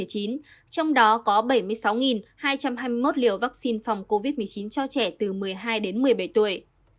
trong đó có bảy mươi sáu hai trăm hai mươi một liều vaccine phòng covid một mươi chín cho trẻ từ một mươi hai đến một mươi bảy tuổi